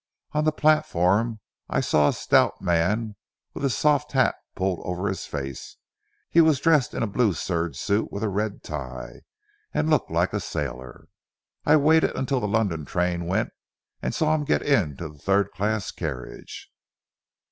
On the platform I saw a stout man with a soft hat pulled over his face. He was dressed in a blue serge suit with a red tie, and looked like a sailor. I waited until the London train went, and saw him get into a third class carriage."